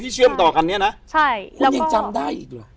ที่เชื่อมต่อกันเนี้ยนะใช่แล้วก็คุณยังจำได้อีกหรือ